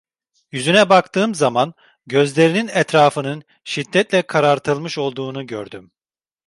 Yüzüne baktığım zaman, gözlerinin etrafının şiddetle karartılmış olduğunu gördüm.